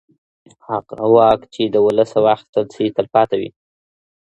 هغه واک چې د ولسه واخيستل سي تلپاته وي.